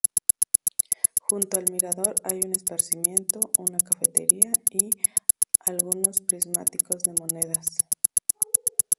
Junto al mirador hay un aparcamiento, una cafetería y algunos prismáticos de monedas.